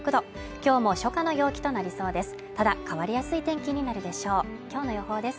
今日も初夏の陽気となりそうです。